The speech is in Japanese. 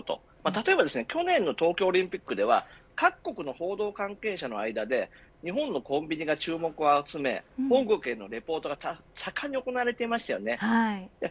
例えば去年の東京オリンピックでは各国の報道関係者の間で日本のコンビニが注目を集め本国へのリポートが盛んに行われていましたよね。